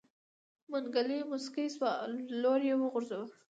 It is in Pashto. منګلی موسکی شو لور يې وغورځوه.